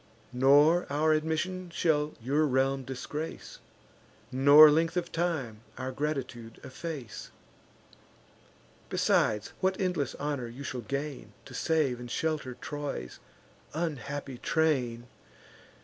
Nor our admission shall your realm disgrace, Nor length of time our gratitude efface. Besides, what endless honour you shall gain, To save and shelter Troy's unhappy train!